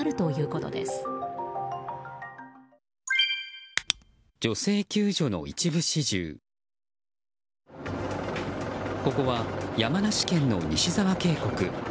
ここは山梨県の西沢渓谷。